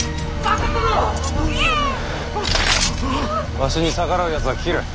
わしに逆らうやつは斬る。